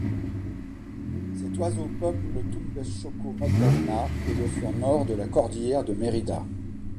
Cet oiseau peuple le Tumbes-Chocó-Magdalena et le flanc nord de la cordillère de Mérida.